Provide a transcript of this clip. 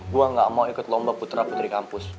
gue gak mau ikut lomba putra putri kampus